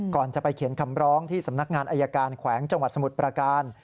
ก่อนจะไปเขียนคำร้องที่สำนักงานอายการแขวงจังหวัดสมุทรประการ